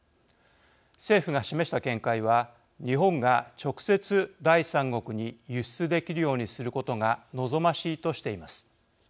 政府が示した見解は日本が直接、第三国に輸出できるようにすることが望ましいとしています。